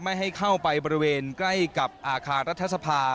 ไม่ให้เข้าไปบริเวณใกล้กับอาคารรัฐสภา